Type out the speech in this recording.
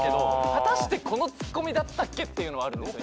果たしてこのツッコミだったっけっていうのはあるんですよ